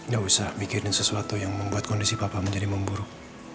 gak usah mikirin sesuatu yang membuat kondisi bapak menjadi memburuk